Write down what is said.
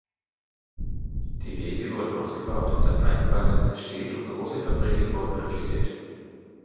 Die Wege wurden ausgebaut, das Eisenbahnnetz entsteht und große Fabriken wurden errichtet.